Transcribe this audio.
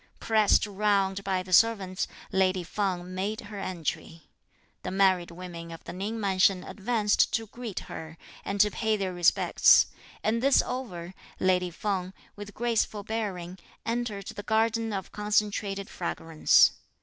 Pressed round by the servants, lady Feng made her entry. The married women of the Ning mansion advanced to greet her, and to pay their respects; and this over, lady Feng, with graceful bearing, entered the Garden of Concentrated Fragrance.